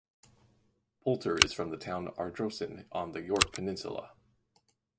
Poulter is from the town Ardrossan on the Yorke Peninsula.